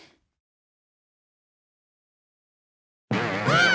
あっ！